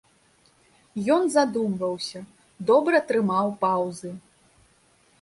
Ён задумваўся, добра трымаў паўзы.